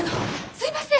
すいません！